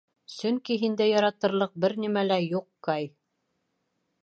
Сөнки һиндә яратырлыҡ бер нимә лә юҡ, Кай.